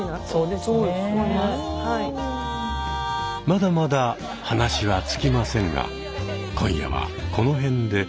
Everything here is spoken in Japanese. まだまだ話は尽きませんが今夜はこの辺で。